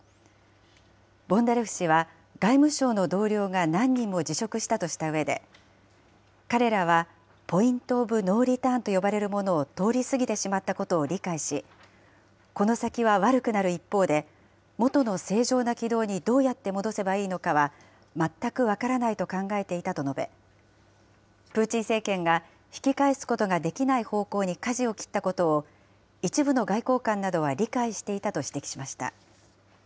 ボンダレフ氏は、外務省の同僚が何人も辞職したとしたうえで、彼らはポイント・オブ・ノーリターンと呼ばれるものを通り過ぎてしまったことを理解し、この先は悪くなる一方で、元の正常な軌道にどうやって戻せばいいのかは全く分からないと考えていたと述べ、プーチン政権が引き返すことができない方向にかじを切ったことを、一部の外交官などは理解していたと指摘しました。